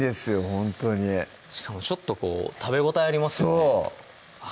ほんとにしかもちょっとこう食べ応えありますよねそう！